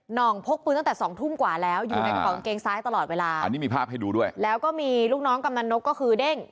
่องพกปืนตั้งแต่สองทุ่มกว่าแล้วอยู่ในกระเป๋ากางเกงซ้ายตลอดเวลาอันนี้มีภาพให้ดูด้วยแล้วก็มีลูกน้องกำนันนกก็คือเด้ง